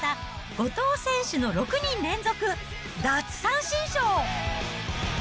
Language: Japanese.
後藤選手の６人連続奪三振ショー！